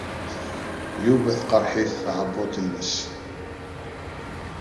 Yuba teqreḥ-it tɛebbuḍt-nnes.